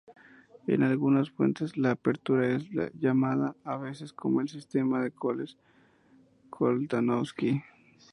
En algunas fuentes, la apertura es llamada a veces como el sistema Colle-Koltanowski.